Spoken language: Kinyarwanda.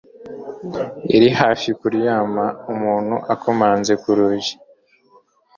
Yari hafi kuryama umuntu akomanze ku rugi